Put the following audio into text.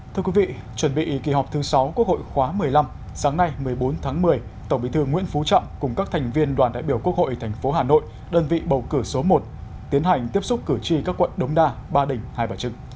thưa quý vị chuẩn bị kỳ họp thứ sáu quốc hội khóa một mươi năm sáng nay một mươi bốn tháng một mươi tổng bí thư nguyễn phú trọng cùng các thành viên đoàn đại biểu quốc hội tp hà nội đơn vị bầu cử số một tiến hành tiếp xúc cử tri các quận đống đa ba đình hai bà trưng